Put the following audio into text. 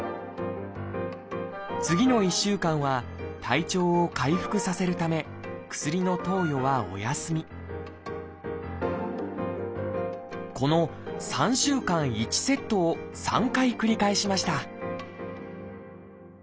次の１週間は体調を回復させるため薬の投与はお休みこの３週間１セットを３回繰り返しました